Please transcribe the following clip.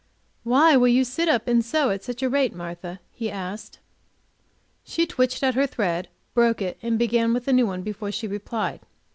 "Why will you sit up and sew at such a rate, Martha?" he asked. She twitched at her thread, broke it, and began with a new one before she replied.